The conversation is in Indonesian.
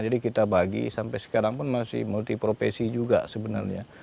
jadi kita bagi sampai sekarang pun masih multi profesi juga sebenarnya